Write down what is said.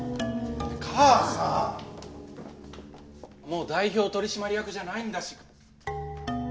もう代表取締役じゃないんだし。